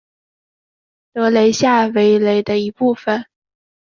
德雷下韦雷的一部分。